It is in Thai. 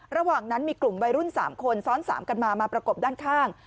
ระหว่างนั้นมีกลุ่มวัยรุ่น๓คนซ้อน๓กันมามาประกบด้านข้าง